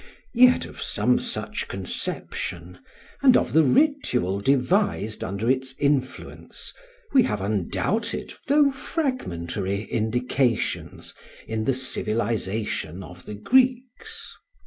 Yet of some such conception, and of the ritual devised under its influence, we have undoubted though fragmentary indications in the civilization of the Greeks.